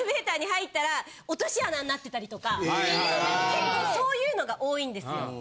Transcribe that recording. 結構そういうのが多いんですよ。